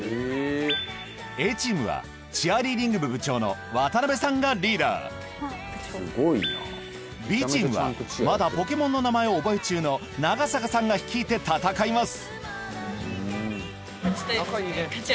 Ａチームはチアリーディング部部長の渡辺さんがリーダーＢチームはまだポケモンの名前を覚え中の長坂さんが率いて戦います